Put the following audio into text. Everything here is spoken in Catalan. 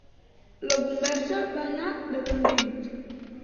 La conversa va anar decandint.